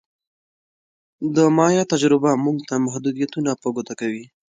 د مایا تجربه موږ ته محدودیتونه په ګوته کوي